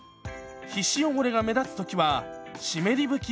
皮脂汚れが目立つ時は湿り拭き